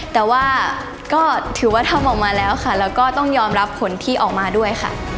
แต่ว่าก็ถือว่าทำออกมาแล้วค่ะแล้วก็ต้องยอมรับผลที่ออกมาด้วยค่ะ